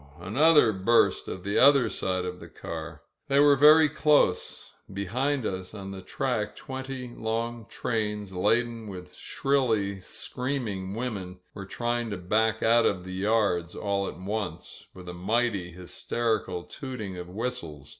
Another burst on the other side of the car. They were very close. Behind us on the track twenty long trains, laden with shrilly screaming women, were trying to back out of the yards all at once, with a mighty hysterical tooting of whistles.